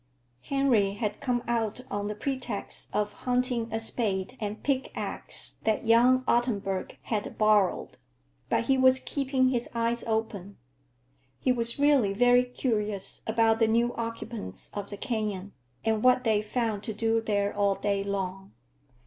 Henry had come out on the pretext of hunting a spade and pick axe that young Ottenburg had borrowed, but he was keeping his eyes open. He was really very curious about the new occupants of the canyon, and what they found to do there all day long.